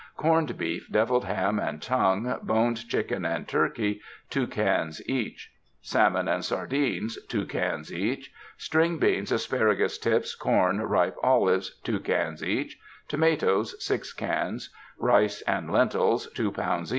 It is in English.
Corned Beef, Deviled Ham and Tongue, boned Chicken and Turkey 2 cans each Salmon and Sardines 2 cans each String Beans, Asparagus Tips, Corn, Ripe OHves 2 cans each Tomatoes 6 cans Rice and Lentils 2 lbs.